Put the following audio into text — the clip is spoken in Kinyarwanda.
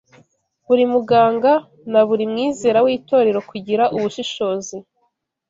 buri muganga, na buri mwizera w’itorero kugira ubushishozi